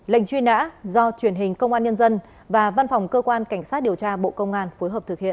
lệnh truy nã do truyền hình công an nhân dân và văn phòng cơ quan cảnh sát điều tra bộ công an phối hợp thực hiện